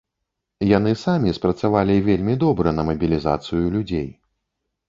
Яны самі спрацавалі вельмі добра на мабілізацыю людзей.